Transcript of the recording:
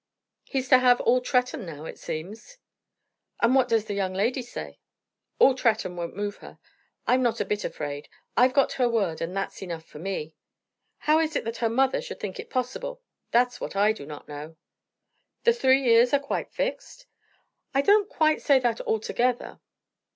"He's to have all Tretton now, it seems." "And what does the young lady say?" "All Tretton won't move her. I'm not a bit afraid. I've got her word, and that's enough for me. How it is that her mother should think it possible; that's what I do not know." "The three years are quite fixed?" "I don't quite say that altogether."